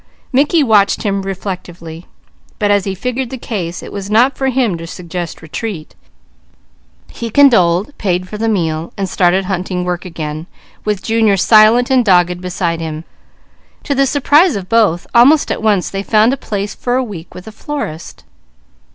Mickey watched him reflectively, but as he figured the case, it was not for him to suggest retreat. He condoled, paid for the meal, and started hunting work again, with Junior silent and dogged beside him. To the surprise of both, almost at once they found a place for a week with a florist.